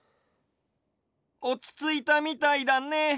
おちついたみたいだね。